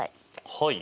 はい。